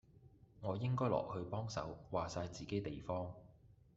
我應該落去幫手，話哂自己地方